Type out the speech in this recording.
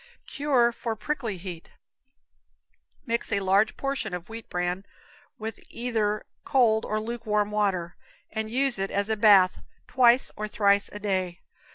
Cure for Prickly Heat. Mix a large portion of wheat bran with either cold or lukewarm water, and use it as a bath twice or thrice a day.